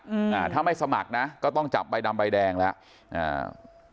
อืมอ่าถ้าไม่สมัครนะก็ต้องจับใบดำใบแดงแล้วอ่า